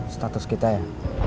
status kita ya